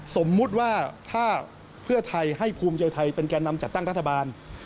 สมมุติว่าถ้าเพื่อไทยให้ภูมิใจไทยเป็นแก่นำจัดตั้งรัฐบาล